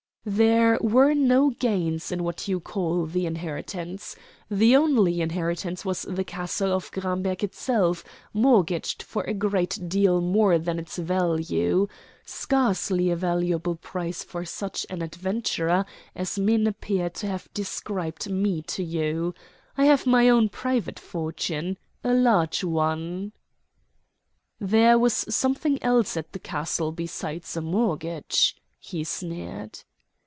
"There were no gains in what you call the inheritance. The only inheritance was the castle of Gramberg itself, mortgaged for a great deal more than its value. Scarcely a valuable prize for such an adventurer as men appear to have described me to you. I have my own private fortune a large one." "There was something else at the castle besides a mortgage," he sneered.